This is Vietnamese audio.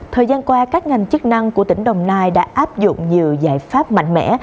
thời gian qua các ngành chức năng của tỉnh đồng nai đã áp dụng nhiều giải pháp mạnh mẽ